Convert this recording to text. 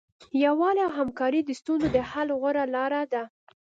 یووالی او همکاري د ستونزو د حل غوره لاره ده.